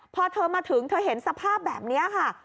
พอเธอมาถึงเธอเห็นสภาพแบบนี้ค่ะ